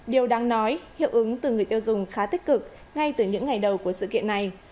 điều đáng nói hiệu ứng từ người tiêu dùng khá tích cực ngay từ những ngày đầu của sự kiện này